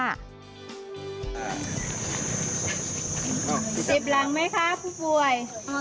เต็บรังไหมคะผู้ป่วย